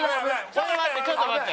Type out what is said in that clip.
ちょっと待ってちょっと待って。